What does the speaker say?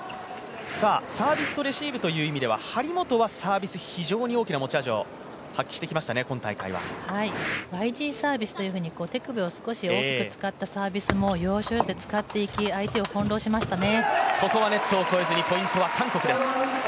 サービスとレシーブという意味では、張本はサービス非常に大きな持ち味を発揮してきましたね、今大会は。ＹＧサービスというふうに手首を少し大きく使ったサービスも要所要所で使っていき相手を翻弄しましたね。